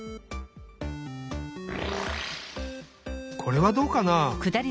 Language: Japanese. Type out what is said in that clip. これはどうかな？